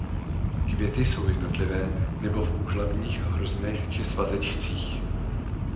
Květy jsou jednotlivé nebo v úžlabních hroznech či svazečcích.